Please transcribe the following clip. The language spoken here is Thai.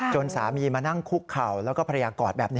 สามีมานั่งคุกเข่าแล้วก็ภรรยากอดแบบนี้